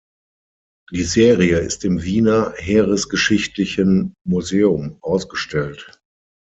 Die Serie ist im Wiener Heeresgeschichtlichen Museum ausgestellt.